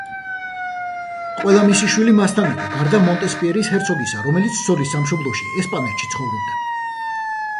ყველა მისი შვილი მასთან იყო, გარდა მონტესპიერის ჰერცოგისა, რომელიც ცოლის სამშობლოში, ესპანეთში ცხოვრობდა.